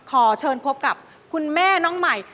ขอเชิญพบกับคุณแม่น้องใหม่